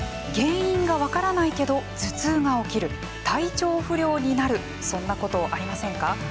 原因が分からないけど頭痛が起きる、体調不良になるそんなこと、ありませんか。